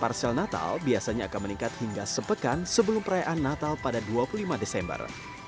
parsel natal biasanya akan meningkat hingga sepekan sebelum perayaan natal pada dua puluh lima desember